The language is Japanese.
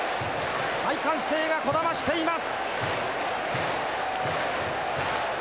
大歓声がこだましています。